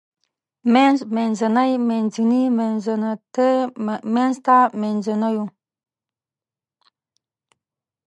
منځ منځنۍ منځني منځتی منځته منځنيو